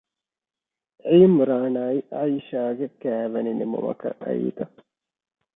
ޢީމްރާނާއި ޢައިޝާގެ ކައިވެނި ނިމުމަކަށް އައީތަ؟